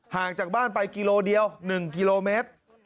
ห่างจากบ้านไปกิโลเดียว๑กิโลเมตร